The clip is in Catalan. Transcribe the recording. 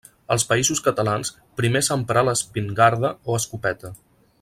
Als Països Catalans primer s'emprà l'espingarda o escopeta.